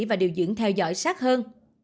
và điều dưỡng theo dõi sát hơn